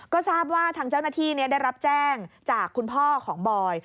ก็ทราบว่าทางเจ้าหน้าที่ได้รับแจ้งจากคุณพ่อของบอย